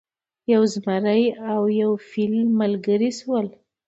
یو زمری او یو فیلی ملګري شول.